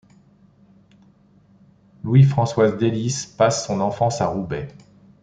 Louis-François Delisse passe son enfance à Roubaix.